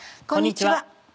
こんにちは。